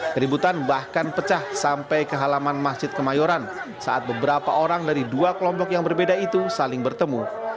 keributan bahkan pecah sampai ke halaman masjid kemayoran saat beberapa orang dari dua kelompok yang berbeda itu saling bertemu